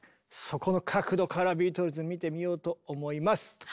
そこの角度からビートルズ見てみようと思います！